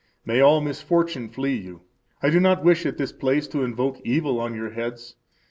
] May all misfortune flee you! [I do not wish at this place to invoke evil on your heads.